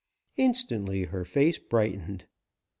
Instantly her face brightened.